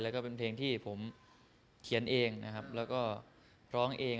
แล้วก็เป็นเพลงที่ผมเขียนเองนะครับแล้วก็ร้องเอง